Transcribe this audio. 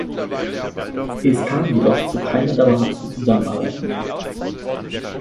Es kam jedoch zu keiner dauerhaften Zusammenarbeit mehr.